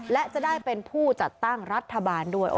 และจะได้เป็นผู้จัดตั้งรัฐบาลด้วย